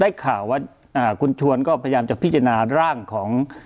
ข่าวว่าคุณชวนก็พยายามจะพิจารณาร่างของ